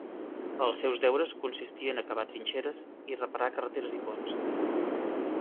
Els seus deures consistien a cavar trinxeres i reparar carreteres i ponts.